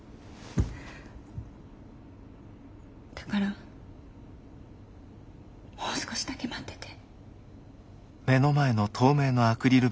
だからもう少しだけ待ってて。